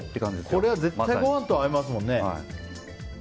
これは絶対ご飯と合いますもんね。